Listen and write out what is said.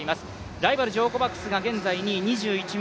ライバル、ジョー・コバクスが現在２位です。